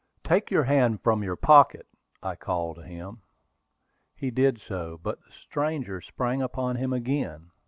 "Take your hand from your pocket!" I called to him. He did so; but the stranger sprang upon him again.